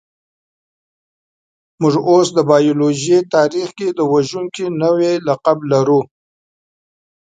موږ اوس د بایولوژۍ تاریخ کې د وژونکي نوعې لقب لرو.